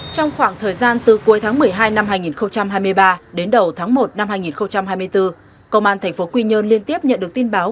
trong khoảng thời gian từ cuối tháng một mươi hai năm hai nghìn hai mươi ba đến đầu tháng một năm hai nghìn hai mươi bốn công an tp quy nhơn liên tiếp nhận được tin báo